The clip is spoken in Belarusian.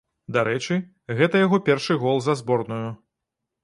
Дарэчы, гэта яго першы гол за зборную.